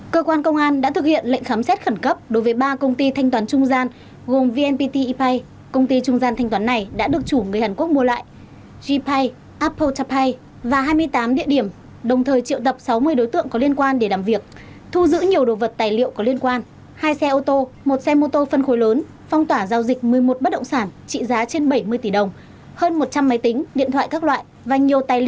cơ quan công an đã thực hiện lệnh khám xét khẩn cấp đối với ba công ty thanh toán trung gian gồm vnpt e pay công ty trung gian thanh toán này đã được chủ người hàn quốc mua lại